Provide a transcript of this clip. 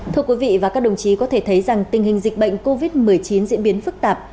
thưa quý vị và các đồng chí có thể thấy rằng tình hình dịch bệnh covid một mươi chín diễn biến phức tạp